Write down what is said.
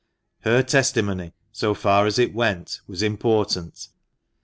Her testimony, so far as it went, was important.